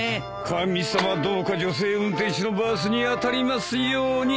神様どうか女性運転手のバスに当たりますように！